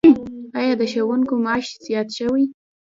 آیا د ښوونکو معاش زیات شوی؟